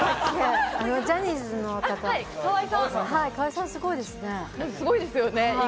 ジャニーズの河合さん、すごいですね。